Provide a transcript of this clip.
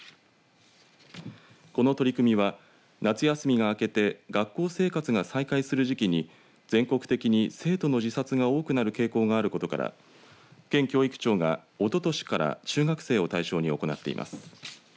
この取り組みは夏休みが明けて学校生活が再開する時期に全国的に生徒の自殺が多くなる傾向があることから県教育庁がおととしから中学生を対象に行っています。